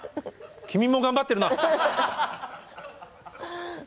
君も頑張ってるな。